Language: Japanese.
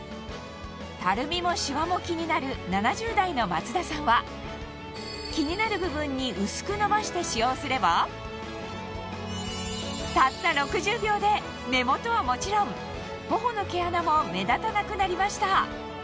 たるみもしわも気になる気になる部分に薄くのばして使用すればたった６０秒で目元はもちろん頬の毛穴も目立たなくなりました